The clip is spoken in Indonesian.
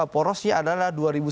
porosnya adalah dua ribu sembilan belas